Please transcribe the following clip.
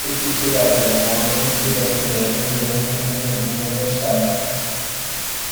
Equipe do ballet do homem e das mulheres durante um desempenho no estágio.